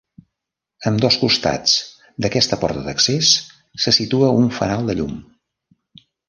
Ambdós costats d'aquesta porta d'accés se situa un fanal de llum.